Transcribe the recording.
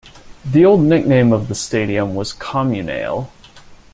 The old nickname of the stadium was Comunale.